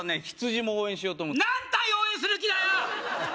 ヒツジも応援しようと何体応援する気だよ